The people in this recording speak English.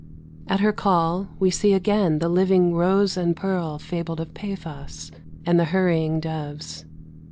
At her call, We see again the living rose and pearl Fabled of Paphos, and the hurrying doves.